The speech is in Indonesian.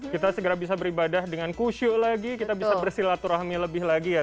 kita segera bisa beribadah dengan khusyuk lagi kita bisa bersilaturahmi lebih lagi ya